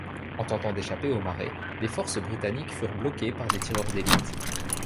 En tentant d'échapper au marais, les forces britanniques furent bloquées par des tireurs d'élite.